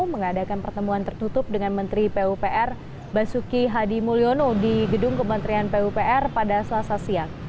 mengadakan pertemuan tertutup dengan menteri pupr basuki hadi mulyono di gedung kementerian pupr pada selasa siang